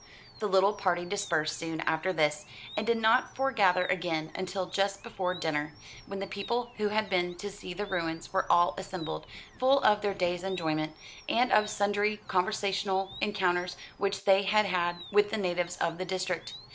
The little party dispersed soon after this, and did not foregather again until just before dinner, when the people who had been to see the ruins were all assembled, full of their day's enjoyment, and of sundry conversational encounters which they had had with the natives of the district.